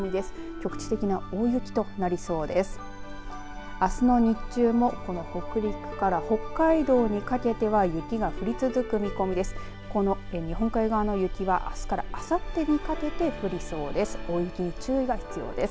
局地的な大雪となりそうです。